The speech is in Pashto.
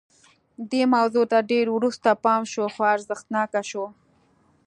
دې موضوع ته ډېر وروسته پام شو خو ارزښتناکه شوه